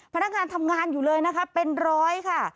พนักงานทำงานอยู่เลยนะคะเป็นร้อยค่ะ